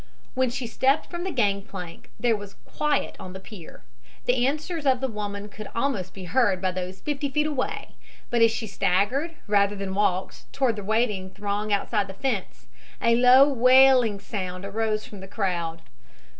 When she stepped from the gangplank there was quiet on the pier. The answers of the woman could almost be heard by those fifty feet away, but as she staggered, rather than walked, toward the waiting throng outside the fence, a low wailing sound arose from the crowd.